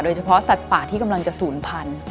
โดยเฉพาะสัตว์ป่าที่กำลังจะสูญพันธุ์